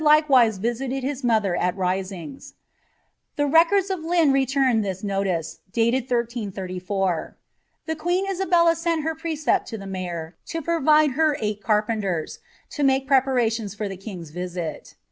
likewise visited his mother at Risings: the neordu of Lynn return this notice, dated 1334. "The queen laabelU Mnt h«r precept to the mayor to provide her eight carpenters, lo make praparatioois for ihe king's vbit."